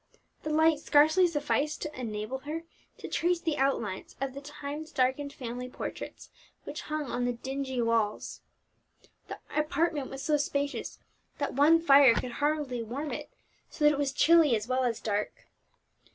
The light scarcely sufficed to enable her to trace the outlines of the time darkened family portraits which hung on the dingy walls. The apartment was so spacious that one fire could hardly warm it, so that it was chilly as well as dark.